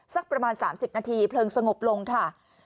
สักประมาณ๓๐นาทีเพลิงสงบลงค่ะ